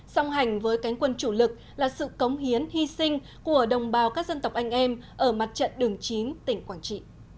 song hành với cánh quân chủ lực là sự cống hiến hy sinh của đồng bào các dân tộc anh em ở mặt trận đường chín tỉnh quảng trị